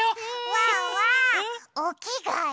ワンワンおきがえ？